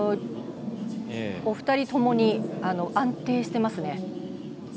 お二人ともに安定していますね。